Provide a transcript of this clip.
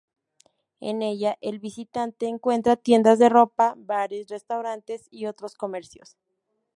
En ella, el visitante encuentra tiendas de ropa, bares, restaurantes y otros comercios.